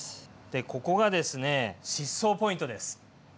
ここがですね疾走ポイントです！